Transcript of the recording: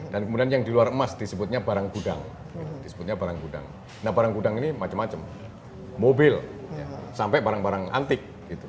dan kemudian yang di luar emas disebutnya barang gudang disebutnya barang gudang nah barang gudang ini macam macam mobil sampai barang barang antik